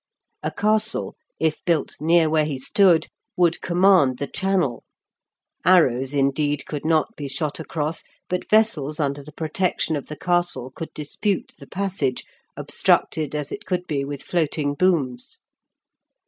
A castle, if built near where he stood, would command the channel; arrows, indeed, could not be shot across, but vessels under the protection of the castle could dispute the passage, obstructed as it could be with floating booms.